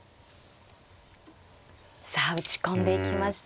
さあ打ち込んでいきました。